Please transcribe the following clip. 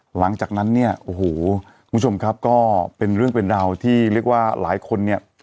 หลังจากนั้นเนี่ยโอ้โหคุณผู้ชมครับก็เป็นเรื่องเป็นราวที่เรียกว่าหลายคนเนี่ย